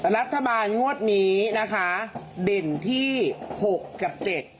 รัฐบาลงวดนี้นะคะเด่นที่หกกับ๗